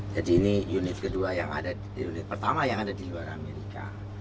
jadi ini unit pertama yang ada di luar amerika